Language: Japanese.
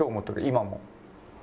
今も。